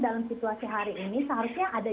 dalam situasi hari ini seharusnya ada